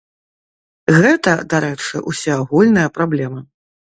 Гэта, дарэчы, усеагульная праблема.